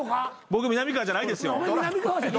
僕みなみかわじゃないですよ。